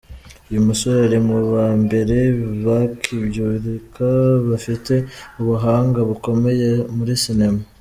Uyu musore ari mu ba mbere bakibyiruka bafite ubuhanga bukomeye muri sinema.